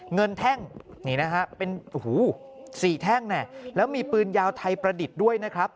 แท่งนี่นะฮะเป็น๔แท่งแล้วมีปืนยาวไทยประดิษฐ์ด้วยนะครับ